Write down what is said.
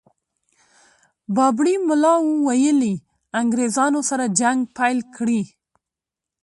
بابړي ملا ویلي انګرېزانو سره جنګ پيل کړي.